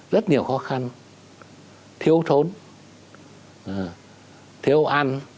rất nhiều khó khăn thiếu thốn thiếu ăn